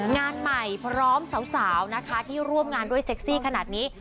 งานใหม่พร้อมสาวนะคะที่ร่วมงานด้วยเซ็กซี่ขนาดนี้